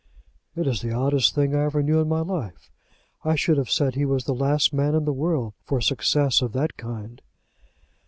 "It is the oddest thing I ever knew in my life. I should have said he was the last man in the world for success of that kind."